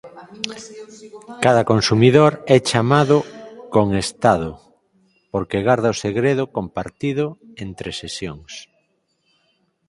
Cada consumidor é chamado "con estado" porque garda o segredo compartido entre sesións.